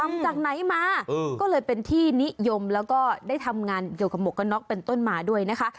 มาจากไหนมาก็เลยเป็นที่นิยมแล้วก็ได้ทำงานเกี่ยวกับหมวกกระน็อกเป็นต้นมาด้วยนะคะ